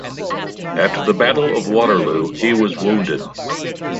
At the Battle of Waterloo he was wounded.